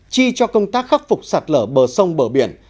chi cho công tác khắc phục sạt lở bờ sông bờ biển